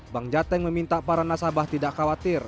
bank jateng meminta para nasabah tidak khawatir